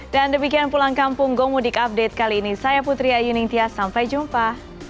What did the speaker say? dan demikian pulang kampung go mudik update kali ini saya putri ayu ningtia sampai jumpa